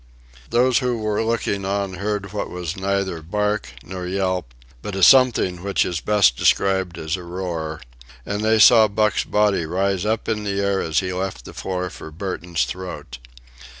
Those who were looking on heard what was neither bark nor yelp, but a something which is best described as a roar, and they saw Buck's body rise up in the air as he left the floor for Burton's throat.